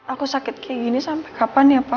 aku sakit kayak gini sampai kapan ya pak